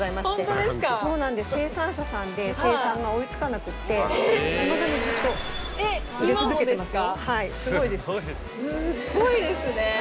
すっごいですね。